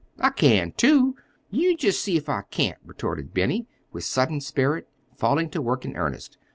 "I can, too. You just see if I can't!" retorted Benny, with sudden spirit, falling to work in earnest.